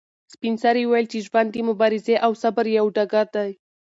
سپین سرې وویل چې ژوند د مبارزې او صبر یو ډګر دی.